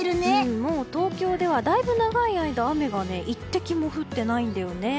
もう東京ではだいぶ長い間雨が一滴も降ってないんだよね。